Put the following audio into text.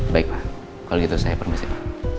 baik pak kalau gitu saya permisi pak